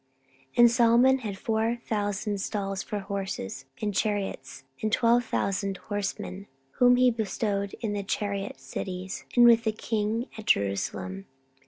14:009:025 And Solomon had four thousand stalls for horses and chariots, and twelve thousand horsemen; whom he bestowed in the chariot cities, and with the king at Jerusalem.